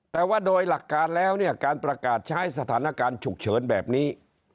แต่ว่าโดยหลักการแล้วเนี่ยการประกาศใช้สถานการณ์ฉุกเฉินแบบนี้